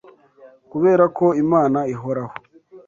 Kubera ko Imana ihoraho